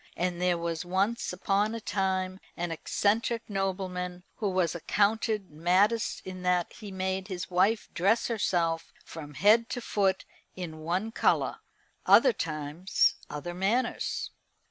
And there was once upon a time an eccentric nobleman who was accounted maddest in that he made his wife dress herself from head to foot in one colour. Other times, other manners.